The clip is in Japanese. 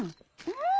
うん！